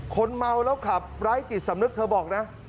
คนเมาแล้วขับไร้จิตสำนึกเธอบอกนะ